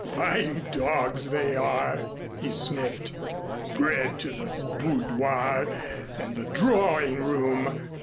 Fine dogs they are," he sniffed, "bred to the boudoir and the drawing room!"